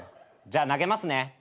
じゃあ投げますね。